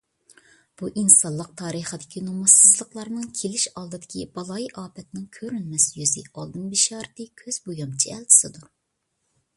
بۇ ئىنسانلىق تارىخىدىكى نۇمۇسسىزلىقلارنىڭ، كېلىش ئالدىدىكى بالايىئاپەتنىڭ كۆرۈنمەس يۈزى، ئالدىن بېشارىتى، كۆز بويامچى ئەلچىسىدۇر.